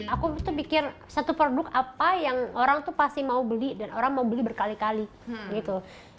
aku tuh pikir satu produk apa yang orang tuh pasti mau beli dan orang mau beli berkali kali gitu